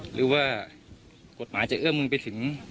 หรือว่ากฎหมายจะเอื้อมมือไปถึง